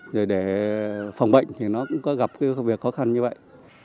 rồi để phòng bệnh thì nó cũng có gặp việc khó khăn như vậy